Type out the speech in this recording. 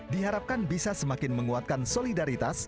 diharapkan bisa semakin menguatkan solidaritas